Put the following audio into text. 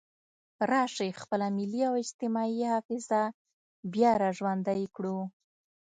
راشئ خپله ملي او اجتماعي حافظه بیا را ژوندۍ کړو.